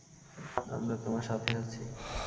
আমরা তোমার সাথে আছি।